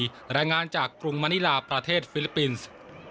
รายงานจากกรุงมณิลาประเทศฟิลิปปินส์